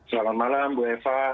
salam malam bu eva